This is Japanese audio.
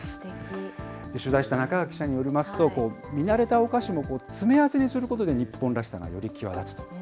取材した中川記者によりますと、見慣れたお菓子も詰め合わせにすることで、日本らしさがより際立つと。